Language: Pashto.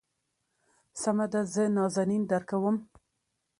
سمه ده زه نازنين درکوم.